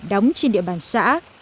đóng trên địa bàn xã